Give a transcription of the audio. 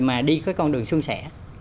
mà đi cái con đường xuân xẻ